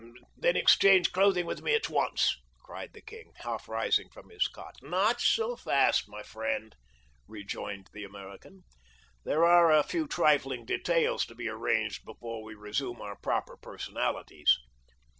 "Then exchange clothing with me at once," cried the king, half rising from his cot. "Not so fast, my friend," rejoined the American. "There are a few trifling details to be arranged before we resume our proper personalities."